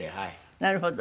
なるほど。